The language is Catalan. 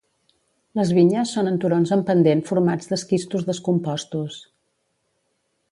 Les vinyes són en turons en pendent formats d'esquistos descompostos.